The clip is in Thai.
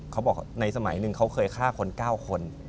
เขาบอกในสมัยหนึ่งเขาเคยฆ่าคน๙คน